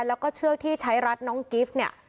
แล้วก็เชือกที่ใช้รัดน้องกิฟต์เนี่ย